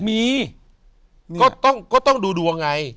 มีก็ต้องดูดวงไง